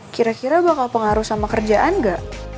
kira kira bakal pengaruh sama kerjaan nggak